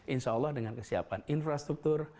insya allah dengan kesiapan infrastruktur